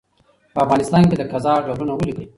په افغانستان کي د قضاء ډولونه ولیکئ؟